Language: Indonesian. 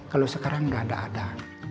kalau sekarang sudah ada ada